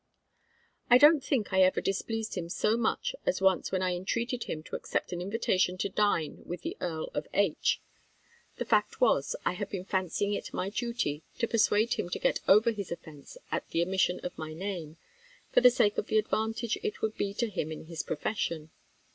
I don't think I ever displeased him so much as once when I entreated him to accept an invitation to dine with the Earl of H . The fact was, I had been fancying it my duty to persuade him to get over his offence at the omission of my name, for the sake of the advantage it would be to him in his profession.